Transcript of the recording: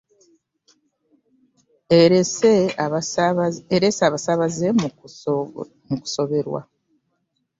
Erese abasaabaze mu kusoberwa.